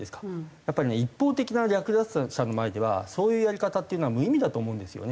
やっぱりね一方的な略奪者の前ではそういうやり方っていうのは無意味だと思うんですよね。